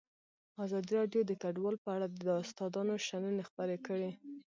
ازادي راډیو د کډوال په اړه د استادانو شننې خپرې کړي.